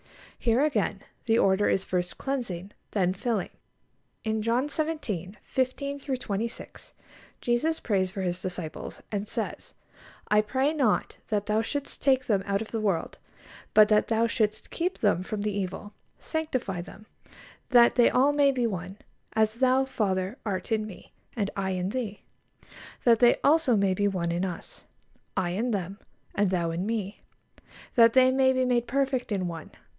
Here again, the order is first cleansing, then filling. In John xvii. 15 26, Jesus prays for His disciples, and says: "I pray not that Thou shouldst take them out of the world, but that Thou shouldst keep them from the evil.... Sanctify them;... that they all may be one; as Thou, Father, art in Me, and I in Thee; that they also may be one in Us;... I in them, and Thou in Me, that they may be made perfect in one